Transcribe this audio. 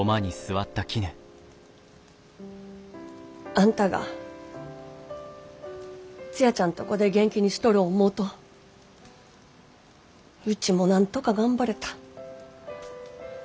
あんたがツヤちゃんとこで元気にしとる思うとウチもなんとか頑張れた。